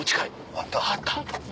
あったあった。